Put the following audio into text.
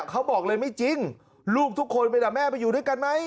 เขาบอกเลยไม่จริงลูกทุกคนไปด่าแม่ไปอยู่ด้วยกันไหม